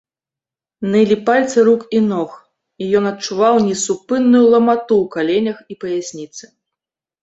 Нылі пальцы рук і ног, і ён адчуваў несупынную ламату ў каленях і паясніцы.